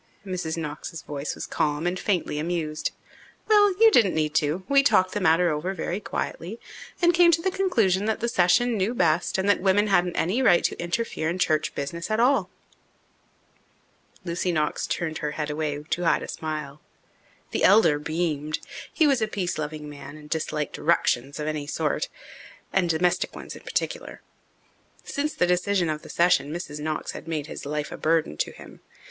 Mrs. Knox's voice was calm and faintly amused. "Well, you didn't need to. We talked the matter over very quietly and came to the conclusion that the session knew best and that women hadn't any right to interfere in church business at all." Lucy Knox turned her head away to hide a smile. The elder beamed. He was a peace loving man and disliked "ructions" of any sort and domestic ones in particular. Since the decision of the session Mrs. Knox had made his life a burden to him.